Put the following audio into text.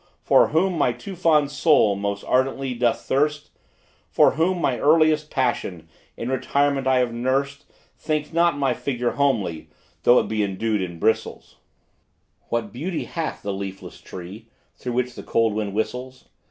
for whom my too fond soul most ardently doth thirst, For whom my earliest passion, in retirement I have nursed: Think not my figure homely, though it be endued in bristles, What beauty hath the leafless tree, through which the cold wind whistles?